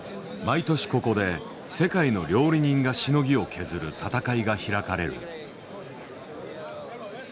毎年ここで世界の料理人がしのぎを削る闘いが開かれる。